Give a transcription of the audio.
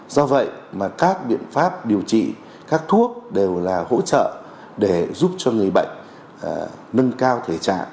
do vậy mà các biện pháp điều trị các thuốc đều là hỗ trợ để giúp cho người bệnh nâng cao thể trạng